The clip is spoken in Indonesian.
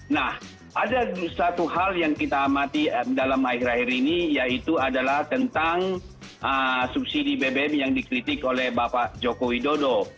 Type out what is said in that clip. nah ada satu hal yang kita amati dalam akhir akhir ini yaitu adalah tentang subsidi bbm yang dikritik oleh bapak joko widodo